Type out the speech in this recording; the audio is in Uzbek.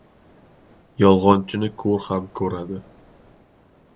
• Yolg‘onchini ko‘r ham ko‘radi.